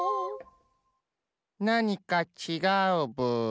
なにかちがうブー。